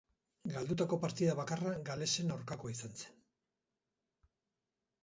Galdutako partida bakarra Galesen aurkakoa izan zen.